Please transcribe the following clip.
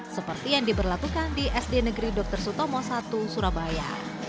seperti yang diberlakukan di sd negeri dr sutomo i surabaya